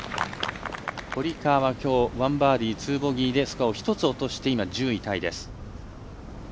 堀川はきょう１バーディー２ボギーでスコアを１つ落として１０位タイ。